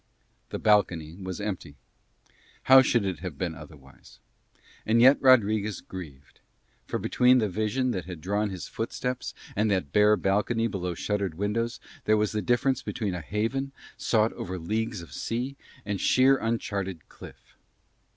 The balcony was empty. How should it have been otherwise? And yet Rodriguez grieved. For between the vision that had drawn his footsteps and that bare balcony below shuttered windows was the difference between a haven, sought over leagues of sea, and sheer, uncharted cliff.